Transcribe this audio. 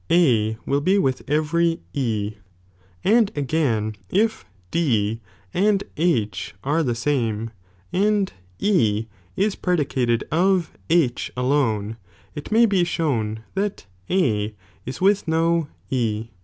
A will be witli every E ; and Bgflin, if D and H are the same, and E is predicated of 11 alone, (it may be shown) that A is with no E.